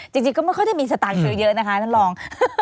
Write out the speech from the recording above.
จริงก็ไม่ค่อยจะมีสตาร์นเฉยนะคะน้องรอง